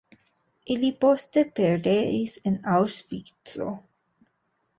Ili poste pereis en Aŭŝvico.